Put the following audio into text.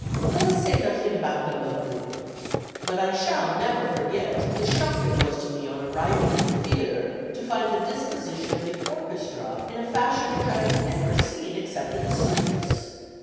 Let us say nothing about them but good. But I shall never forget the shock it was to me on arriving at the theatre to find the disposition of the orchestra in a fashion which I have never seen except at a circus.